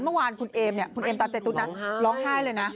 เมื่อวานคุณเอมคุณเอมตามใจตู้นั้นร้องไห้เลยนะ